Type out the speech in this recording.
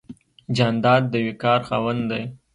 جانداد د وقار خاوند دی.